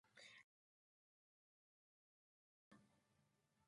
A menor elevación el nivel será más alto.